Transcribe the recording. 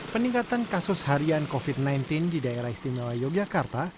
peningkatan kasus harian covid sembilan belas di daerah istimewa yogyakarta